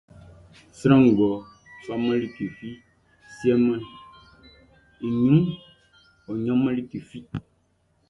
Sran ngʼɔ faman like fi siemɛn i ɲrunʼn, ɔ ɲanman like fi.